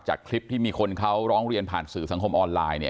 คลิปที่มีคนเขาร้องเรียนผ่านสื่อสังคมออนไลน์